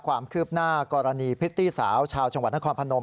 ความคืบหน้ากรณีพริตตี้สาวชาวจังหวัดนครพนม